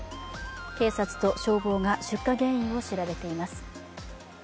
警察と消防が出火原因を調べています。